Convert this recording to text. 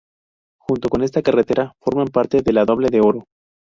Junto con esta carrera forman parte de la ""Doble de Oro"".